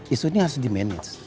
isunya harus di manage